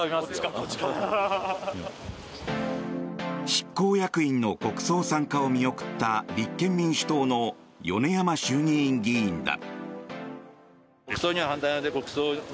執行役員の国葬参加を見送った立憲民主党の米山衆議院議員だ。